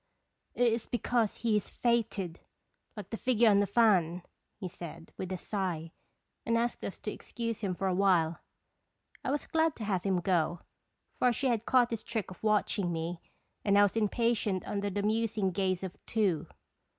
"It is because he is fated like the figure on the fan," he said with a sigh, and asked us to excuse him a while. I was glad to have him go, for she had caught his trick of watch ing me, and I was impatient under the musing gaze of two.